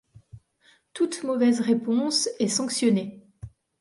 Toute mauvaise réponse est sanctionnée.